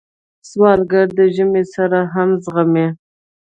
سوالګر د ژمي سړه هم زغمي